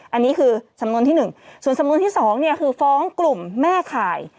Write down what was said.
อันนี้คือสำนวนที่๑ส่วนสำนวนที่๒เนี่ยคือฟ้องกลุ่มแม่ข่าย